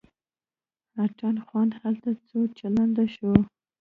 اتڼ خوند هلته څو چنده شو.